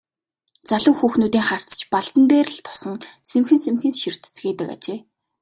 Залуу хүүхнүүдийн харц ч Балдан дээр л тусан сэмхэн сэмхэн ширтэцгээдэг ажээ.